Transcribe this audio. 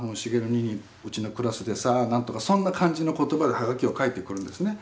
にーうちのクラスでさ」とかそんな感じの言葉ではがきを書いてくるんですね。